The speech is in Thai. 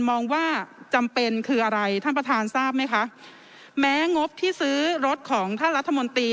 มองว่าจำเป็นคืออะไรท่านประธานทราบไหมคะแม้งบที่ซื้อรถของท่านรัฐมนตรี